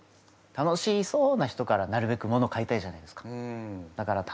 楽しそうな人からなるべくもの買いたいじゃないですか。